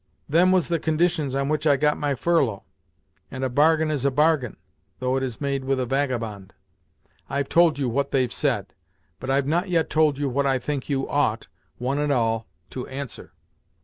Them was the conditions on which I got my furlough, and a bargain is a bargain, though it is made with a vagabond. I've told you what they've said, but I've not yet told you what I think you ought, one and all, to answer."